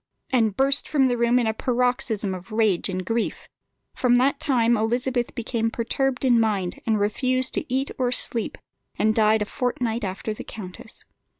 and burst from the room in a paroxysm of rage and grief. From that time Elizabeth became perturbed in mind, refused to eat or sleep, and died a fortnight after the countess.